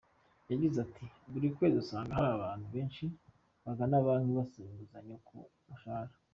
Yagize ati “Buri kwezi usanga hari abantu benshi bagana banki basaba inguzanyo ku mushahara.